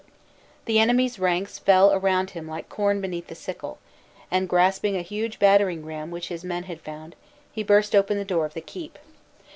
The enemy's ranks fell around him like corn beneath the sickle; and, grasping a huge battering ram which his men had found, he burst open the door of the keep.